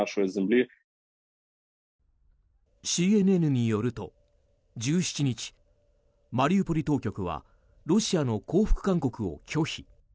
ＣＮＮによると１７日マリウポリ当局はロシアの降伏勧告を拒否。